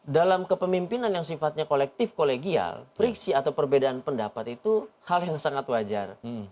dalam kepemimpinan yang sifatnya kolektif kolegial friksi atau perbedaan pendapat itu hal yang sangat wajar